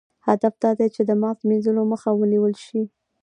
هدف دا دی چې د مغز مینځلو مخه ونیول شي.